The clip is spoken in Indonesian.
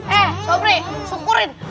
eh sobri syukurin